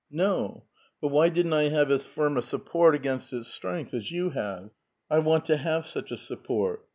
No ! but yhy didn't I have as firm a support against its strength as you had? I want to have such a support.